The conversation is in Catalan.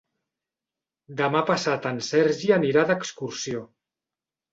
Demà passat en Sergi anirà d'excursió.